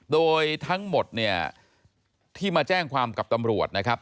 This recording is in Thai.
โดยทั้งหมดเนี่ยที่มาแจ้งความกับตำรวจนะครับ